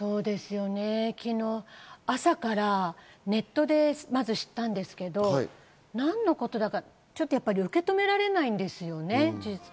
昨日、朝からネットでまず知ったんですけれど、何のことだかちょっと受け止められないんですよね。